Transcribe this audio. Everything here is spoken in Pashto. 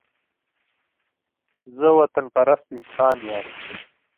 زه وطن پرست انسان يم